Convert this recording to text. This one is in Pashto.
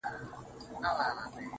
خپه وې چي وړې ، وړې ،وړې د فريادي وې.